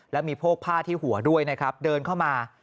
แล้วมีโพกผ้าที่หัวด้วยนะครับเดินเข้ามา